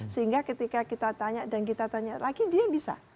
sehingga ketika kita tanya dan kita tanya lagi dia bisa